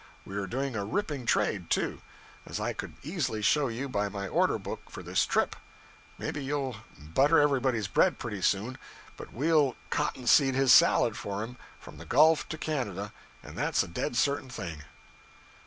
We are doing a ripping trade, too as I could easily show you by my order book for this trip. Maybe you'll butter everybody's bread pretty soon, but we'll cotton seed his salad for him from the Gulf to Canada, and that's a dead certain thing.'